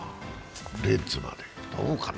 レッズまで、どうかな？